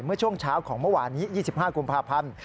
เมื่อช่วงเช้าของเมื่อวานนี้๒๕กุมภาพันธ์